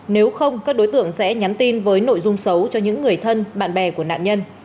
nếu không các đối tượng sẽ nhắn tin với nội dung xấu cho những người thân bạn bè của nạn nhân